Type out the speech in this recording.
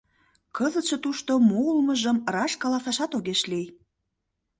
Кызытше тушто мо улмыжым раш каласашат огеш лий.